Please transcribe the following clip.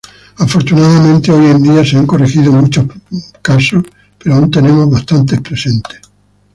Afortunadamente hoy en día se han corregido muchos casos pero aun tenemos bastantes presentes.